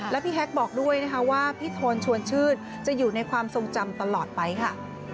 แล้วพี่แฮกบอกด้วยนะคะว่าพี่โทนชวนชื่นจะอยู่ในความทรงจำตลอดไปค่ะ